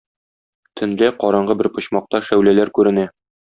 Төнлә, караңгы бер почмакта шәүләләр күренә.